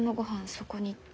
そこにって。